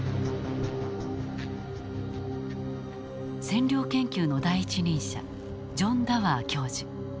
占領研究の第一人者ジョン・ダワー教授。